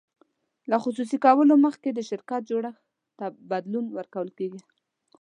له خصوصي کولو مخکې د شرکت جوړښت ته بدلون ورکول کیږي.